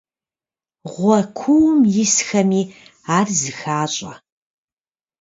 Гъуэ куум исхэми ар зыхащӀэ.